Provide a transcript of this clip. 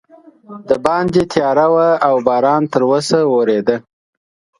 باندې تیاره وه او باران تراوسه ورېده.